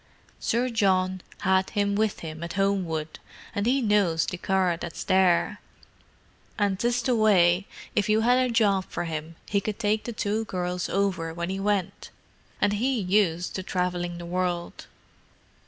Sir John had him with him at Homewood, and he knows the car that's there, and 'tis the way if you had a job for him he could take the two girls over when he went, and he used to travelling the world.